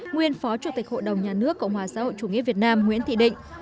nguyên phó chủ tịch hội đồng nhà nước cộng hòa xã hội chủ nghĩa việt nam nguyễn thị định